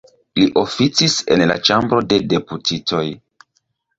Li oficis en la Ĉambro de Deputitoj.